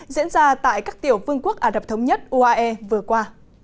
diễn ra tại các tiểu vương quốc ả rập thống nhất uae vừa qua